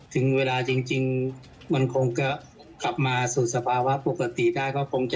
ถึงเวลาจริงมันคงก็กลับมาสู่สภาวะปกติได้